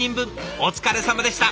お疲れさまでした！